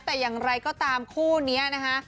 แต่อย่างไรก็ตามคู่นี้นะคะ